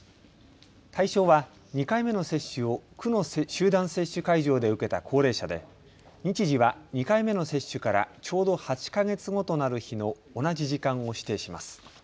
対象は２回目の接種を区の集団接種会場で受けた高齢者で日時は２回目の接種からちょうど８か月後となる日の同じ時間を指定します。